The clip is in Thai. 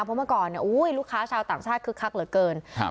เพราะเมื่อก่อนเนี่ยอุ้ยลูกค้าชาวต่างชาติคึกคักเหลือเกินครับ